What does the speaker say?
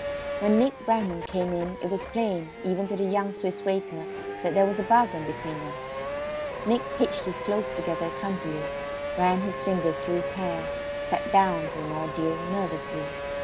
When Nick Bramham came in it was plain, even to the young Swiss waiter, that there was a bargain between them. Nick hitched his clothes together clumsily; ran his fingers through his hair; sat down, to an ordeal, nervously.